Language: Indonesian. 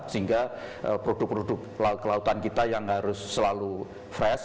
sehingga produk produk kelautan kita yang harus selalu fresh